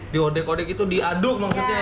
diodek odek itu diaduk maksudnya ya